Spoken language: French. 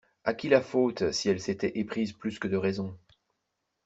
A qui la faute si elle s'était éprise plus que de raison?